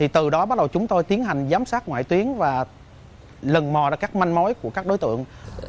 từ đó bắt đầu chúng tôi tiến hành giám sát ngoại tuyến và lần mò ra các manh mối của các đối tượng